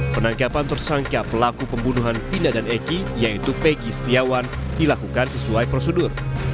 penangkapan tersangka pelaku pembunuhan pinda dan eki yaitu pegi setiawan dilakukan sesuai prosedur